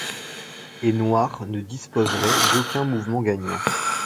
Et Noir ne disposerait d'aucun mouvement gagnant.